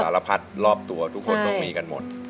รพัดรอบตัวทุกคนต้องมีกันหมด